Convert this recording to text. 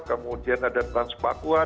kemudian ada transpakuan